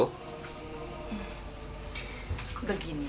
untuk membuat kemampuan kita